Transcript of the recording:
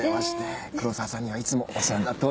黒沢さんにはいつもお世話になっております。